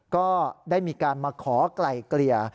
ก็ได้มีการมาขอไกล่เกลี่ย